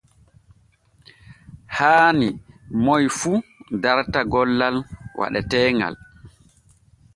Haani moy fu darta gollal waɗeteeŋal.